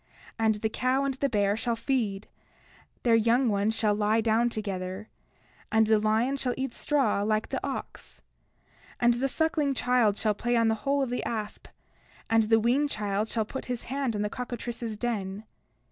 30:13 And the cow and the bear shall feed; their young ones shall lie down together; and the lion shall eat straw like the ox. 30:14 And the sucking child shall play on the hole of the asp, and the weaned child shall put his hand on the cockatrice's den.